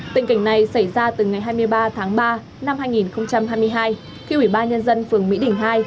tình cảnh này xảy ra từ ngày hai mươi ba tháng ba năm hai nghìn hai mươi hai khi ủy ban nhân dân phường mỹ đình hai